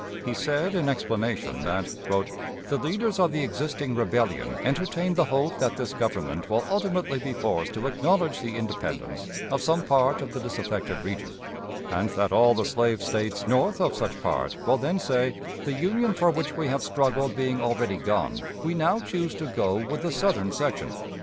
He said, in explanation, that "the leaders of the existing rebellion entertain the hope that this Government will ultimately be forced to acknowledge the independence of some part of the disaffected region, and that all the slave States north of such part will then say, 'The Union for which we have struggled being already gone, we now choose to go with the Southern section.'